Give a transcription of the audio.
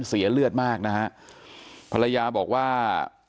เสียเลือดมากนะฮะภรรยาบอกว่า